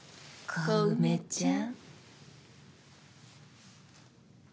こ小梅ちゃん